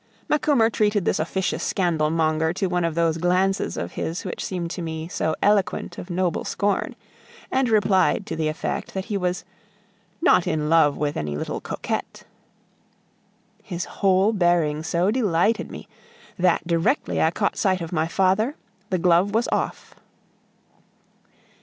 Macumer treated this officious scandal monger to one of those glances of his which seem to me so eloquent of noble scorn, and replied to the effect that he was "not in love with any little coquette." His whole bearing so delighted me, that directly I caught sight of my father, the glove was off.